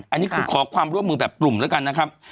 อันนี้คือขอความร่วมมือแบบกลุ่มแล้วกันนะครับ